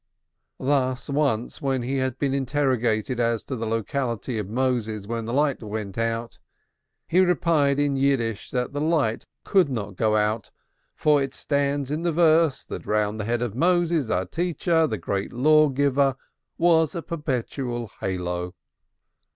Thus once, when he had been interrogated as to the locality of Moses when the light went out, he replied in Yiddish that the light could not go out, for "it stands in the verse, that round the head of Moses, our teacher, the great law giver, was a perpetual halo."